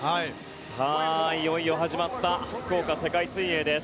いよいよ始まった福岡世界水泳です。